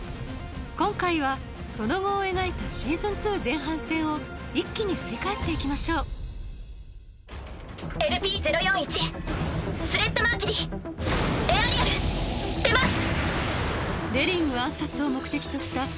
今回はその後を描いたＳｅａｓｏｎ２前半戦を一気に振り返っていきましょうＬＰ０４１スレッタ・マーキュリーエアリアル出ます！